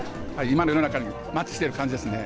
今の世の中にマッチしてる感じですね。